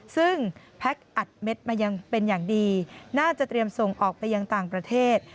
ซึ่งแพ็คอัดเม็ดมายังเป็นอย่างดีน่าจะเตรียมส่งออกไปยังต่างประเทศ